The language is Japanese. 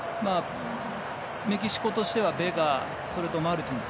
メキシコとしてはベガ、マルティン。